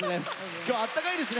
今日あったかいですね